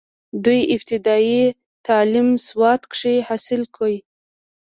دوي ابتدائي تعليم سوات کښې حاصل کړو،